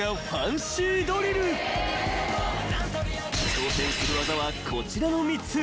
［挑戦する技はこちらの３つ］